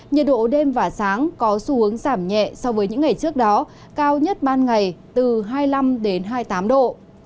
nhiệt độ đêm và sáng có xu hướng giảm nhẹ so với những ngày trước đó cao nhất ban ngày từ hai mươi năm hai mươi tám độ